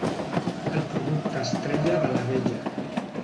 El producte estrella de l'abella.